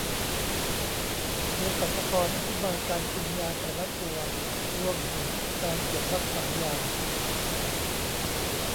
เภสัชกรอธิบายการกินยาแต่ละตัว รวมถึงการเก็บรักษายา